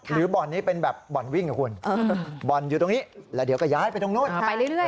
หรือบอลนี้เป็นแบบบอลวิ่งนะคุณบอลอยู่ตรงนี้แล้วเดี๋ยวก็ย้ายไปตรงโน้น